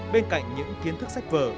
bên cạnh những kiến thức sách vở